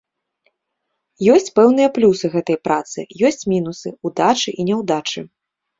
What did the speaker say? Ёсць пэўныя плюсы гэтай працы, ёсць мінусы, удачы і няўдачы.